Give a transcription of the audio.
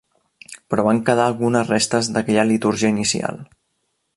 Però van quedar algunes restes d'aquella litúrgia inicial.